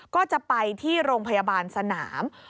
ก็จะไปที่โรงพยาบาลสนาม